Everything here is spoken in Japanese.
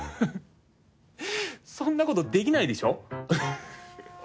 そんなことできないでしょう？